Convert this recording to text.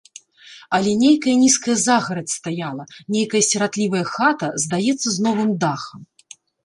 Але нейкая нізкая загарадзь стаяла, нейкая сіратлівая хата, здаецца, з новым дахам.